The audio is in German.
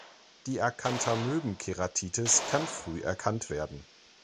Die Acanthamöben-Keratitis kann früh erkannt werden.